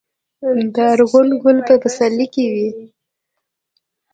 د ارغوان ګل په پسرلي کې وي